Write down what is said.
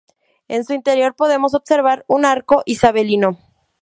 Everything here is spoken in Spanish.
En su interior podemos observar un arco isabelino.